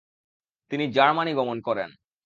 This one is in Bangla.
তিনি জার্মানি গমন করেন।